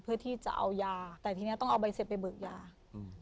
เพื่อที่จะเอายาแต่ทีเนี้ยต้องเอาใบเสร็จไปเบิกยาอืม